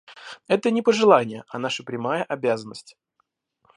Это не пожелание, а наша прямая обязанность.